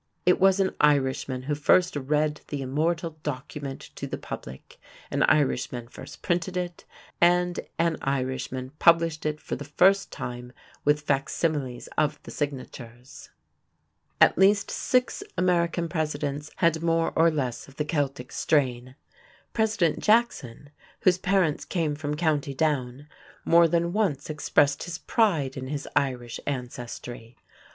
It was an Irishman who first read the immortal Document to the public; an Irishman first printed it; and an Irishman published it for the first time with facsimiles of the signatures. At least six American Presidents had more or less of the Celtic strain. President Jackson, whose parents came from Co. Down, more than once expressed his pride in his Irish ancestry.